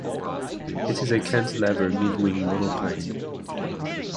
It is a cantilever mid-wing monoplane.